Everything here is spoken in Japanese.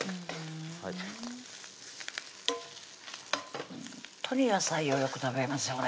ほんとに野菜をよく食べますよね